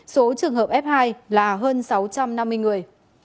số trường hợp f hai là hơn sáu trăm năm mươi người